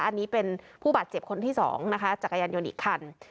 อันนี้เป็นผู้บาดเจ็บคนที่สองนะคะจักรยานยนต์อีกคัน